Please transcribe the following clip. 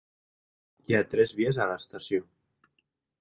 Hi ha tres vies a l'estació.